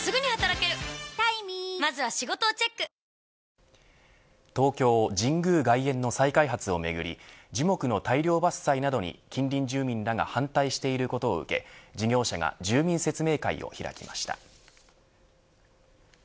はぁ東京、神宮外苑の再開発をめぐり樹木の大量伐採などに近隣住民らが反対していることを受け事業者が住民説明会を開きました。